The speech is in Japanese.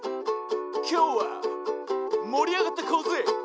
「きょうはもりあがっていこうぜ！」